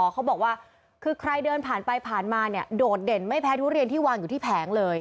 เขาบอกว่าคือใครเดินผ่านไปผ่านมาเนี่ยโดดเด่นไม่แพ้ทุเรียนที่วางอยู่ที่แผงเลย